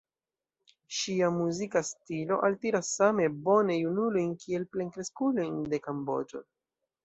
Ŝia muzika stilo altiras same bone junulojn kiel plenkreskulojn de Kamboĝo.